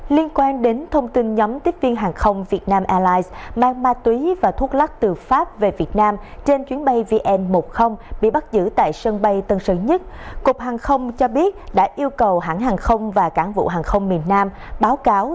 liên quan đến thông tin nhóm tiếp viên hàng không việt nam airlines mang ma túy và thuốc lắc từ pháp về việt nam trên chuyến bay vn một mươi bị bắt giữ tại sân bay tân sơn nhất cục hàng không cho biết đã yêu cầu hãng hàng không và cảng vụ hàng không miền nam báo cáo